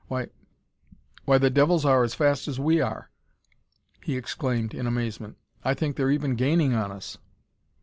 "Why why, the devils are as fast as we!" he exclaimed in amazement. "I think they're even gaining on us!"